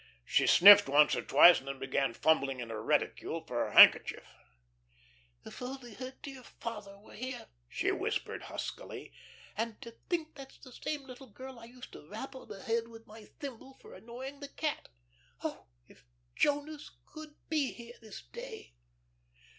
She sniffed once or twice, and then began fumbling in her reticule for her handkerchief. "If only her dear father were here," she whispered huskily. "And to think that's the same little girl I used to rap on the head with my thimble for annoying the cat! Oh, if Jonas could be here this day."